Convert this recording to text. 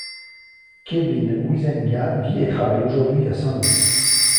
Kevin Huizenga vit et travaille aujourd'hui à Saint-Louis.